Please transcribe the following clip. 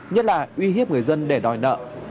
nhất là uy hiếp người dân để đòi nợ